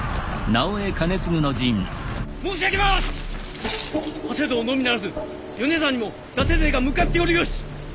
長谷堂のみならず米沢にも伊達勢が向かっておる由！